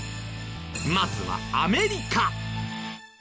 まずはアメリカ。